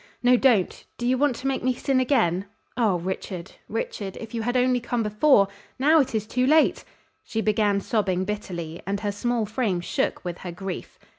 No, don't. Do you want to make me sin again? Oh, Richard, Richard! If you had only come before! Now it is too late." She began sobbing bitterly, and her small frame shook with her grief.